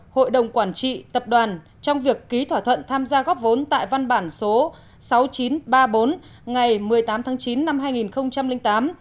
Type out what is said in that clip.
hội đồng quản trị tập đoàn trong việc ký thỏa thuận tham gia góp vốn tại văn bản số sáu nghìn chín trăm ba mươi bốn ngày một mươi tám tháng chín năm hai nghìn tám